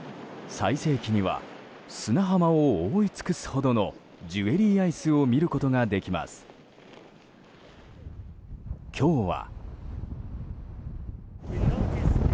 最盛期には砂浜を覆い尽くすほどのジュエリーアイスを見ることができます。今日は。